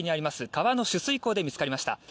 川の取水口で見つかりました。